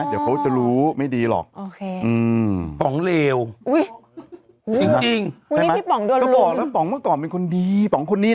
เขาเป็นลูกแต่เป็นเมียแล้ว